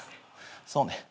そうね。